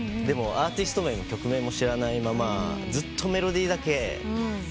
でもアーティスト名も曲名も知らないままずっとメロディーだけ。